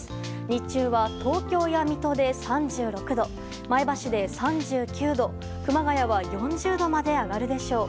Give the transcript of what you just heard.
日中は東京や水戸で３６度前橋では３９度熊谷は４０度まで上がるでしょう。